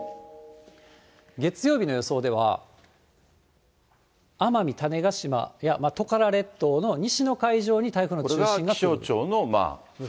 月曜日の予想では、奄美、種子島やトカラ列島の西の海上に台風の中心が来ます。